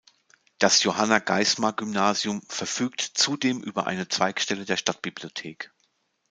Das Johanna-Geissmar-Gymnasium verfügt zudem über eine Zweigstelle der Stadtbibliothek.